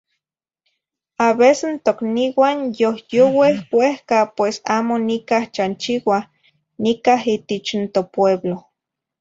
A vez n tocniuah yohyoueh uehca, pues amo nicah chanchiuah nicah itich n topueblo.